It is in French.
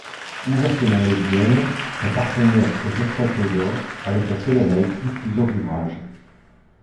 Ouvertement lesbienne, sa partenaire est Verta Taylor avec laquelle elle a écrit plusieurs ouvrages.